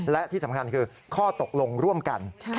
และที่สำคัญคือข้อตกลงร่วมกัน